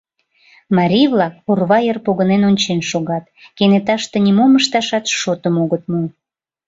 Марий-влак орва йыр погынен ончен шогат: кенеташте нимом ышташат шотым огыт му.